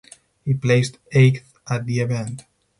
He placed eighth at the event.